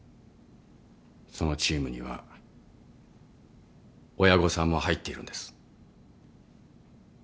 そのチームには親御さんも入っているんです。